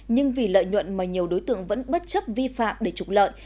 nhưng vì lợi nhuận mà nhiều đối tượng vẫn bất chấp vi phạm để trục lợi